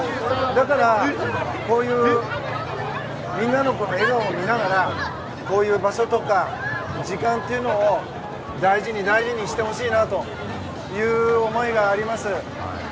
だからみんなの笑顔を見ながらこういう場所とか時間というのを大事に大事にしてほしいなという思いがあります。